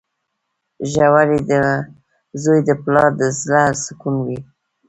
• زوی د پلار د زړۀ سکون وي.